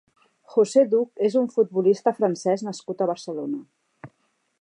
José Duch és un futbolista francès nascut a Barcelona.